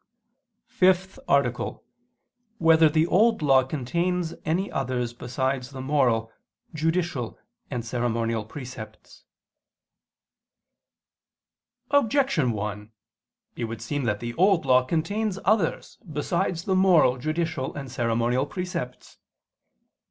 ________________________ FIFTH ARTICLE [I II, Q. 99, Art. 5] Whether the Old Law Contains Any Others Besides the Moral, Judicial, and Ceremonial Precepts? Objection 1: It would seem that the Old Law contains others besides the moral, judicial, and ceremonial precepts.